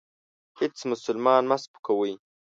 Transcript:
هیڅ مسلمان مه سپکوئ.